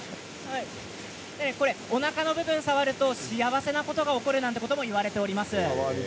おなかの部分を触ると幸せなことが起こるなんて言われています。